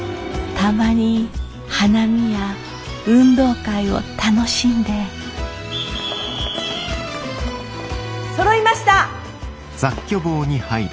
たまに花見や運動会を楽しんでそろいました！